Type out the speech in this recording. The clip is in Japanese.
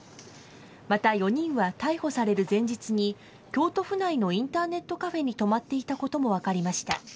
また４人は逮捕される前日に、京都府内のインターネットカフェに泊まっていたことも分かりました。